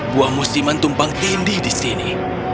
buah musiman tumpang tindih di sini